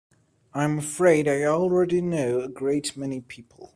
I'm afraid I already know a great many people.